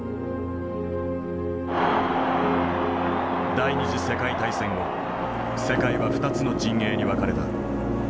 第２次世界大戦後世界は２つの陣営に分かれた。